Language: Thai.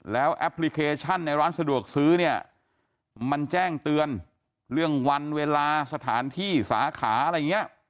แล้วแอปพลิเคชันในร้านสะดวกซื้อเนี่ยมันแจ้งเตือนเรื่องวันเวลาสถานที่สาขาอะไรอย่างนี้